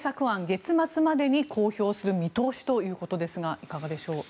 月末までに公表する見通しということですがいかがでしょう。